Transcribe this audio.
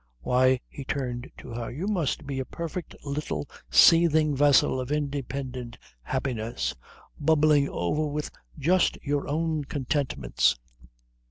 Why" he turned to her "you must be a perfect little seething vessel of independent happiness, bubbling over with just your own contentments."